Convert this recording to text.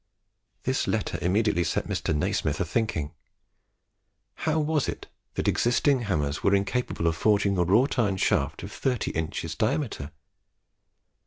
This letter immediately set Mr. Nasmyth a thinking. How was it that existing hammers were incapable of forging a wrought iron shaft of thirty inches diameter?